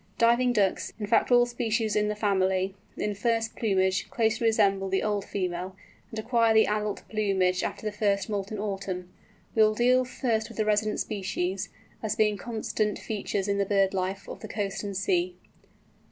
Diving Ducks, in fact all species in the family, in first plumage, closely resemble the old female, and acquire the adult plumage after the first autumn moult. We will deal first with the resident species, as being constant features in the bird life of the coast and sea.